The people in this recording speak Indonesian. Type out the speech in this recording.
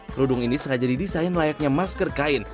kerudung ini sengaja didesain layaknya masker kain